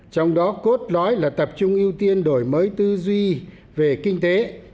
trong đó cốt lõi là tập trung ưu tiên đổi mới tư duy về kinh tế